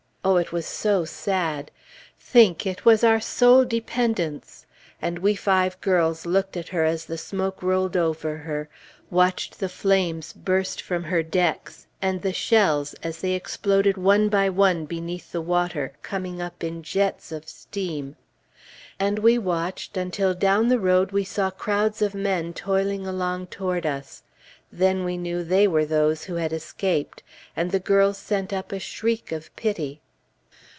Oh, it was so sad! Think, it was our sole dependence! And we five girls looked at her as the smoke rolled over her, watched the flames burst from her decks, and the shells as they exploded one by one beneath the water, coming up in jets of steam. And we watched until down the road we saw crowds of men toiling along toward us. Then we knew they were those who had escaped, and the girls sent up a shriek of pity.